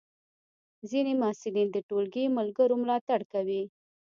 ځینې محصلین د ټولګی ملګرو ملاتړ کوي.